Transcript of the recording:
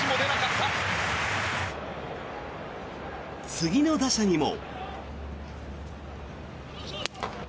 次の打者にも。